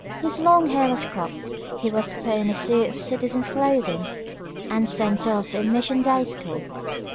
His long hair was cropped, he was put into a suit of citizen's clothing and sent off to a mission day school.